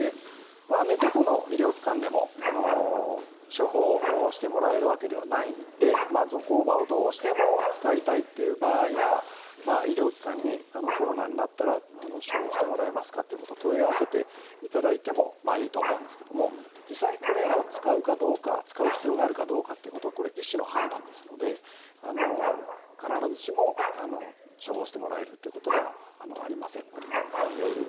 どこの医療機関でも処方してもらえるわけではないのでゾコーバをどうしても使いたいという場合は医療機関にコロナになったら処方してもらえますかということを問い合わせていただいてもいいとは思うんですけども実際にこれを使うかどうか使う必要があるかどうかということはこれは医師の判断ですので必ずしも処方してもらえるということではありませんのでという。